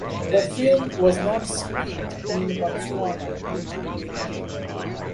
The film was not screened in Botswana due to red tape.